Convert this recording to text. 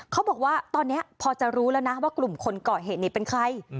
เขาบอกว่าตอนนี้พอจะรู้แล้วนะว่ากลุ่มคนก่อเหตุนี้เป็นใคร